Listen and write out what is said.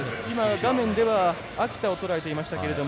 画面では秋田をとらえていましたけれども。